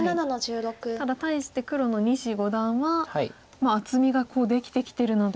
ただ対して黒の西五段は厚みができてきてるので。